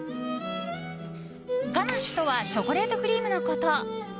ガナッシュとはチョコレートクリームのこと。